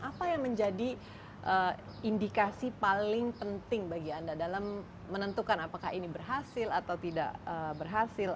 apa yang menjadi indikasi paling penting bagi anda dalam menentukan apakah ini berhasil atau tidak berhasil